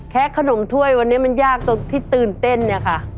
ขนมถ้วยวันนี้มันยากตรงที่ตื่นเต้นเนี่ยค่ะ